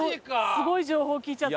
すごい情報聞いちゃった。